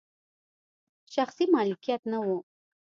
شخصي مالکیت نه و.